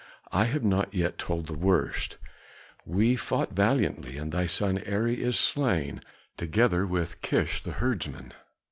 "I have not yet told the worst; we fought valiantly, and thy son Eri is slain, together with Kish, the herdsman.